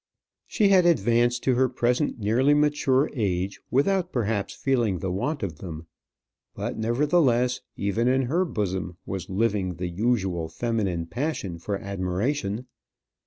She had advanced to her present nearly mature age without perhaps feeling the want of them. But, nevertheless, even in her bosom was living the usual feminine passion for admiration.